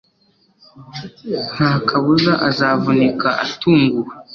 nta kabuza azavunika atunguwe